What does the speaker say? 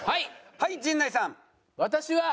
はい陣内さん。